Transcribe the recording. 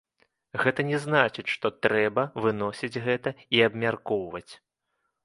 Гэта не значыць, што трэба выносіць гэта і абмяркоўваць.